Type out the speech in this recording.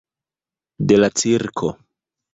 De la cirko.